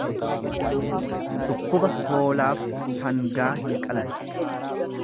Dhukkuba hoolaaf sangaa hin qalan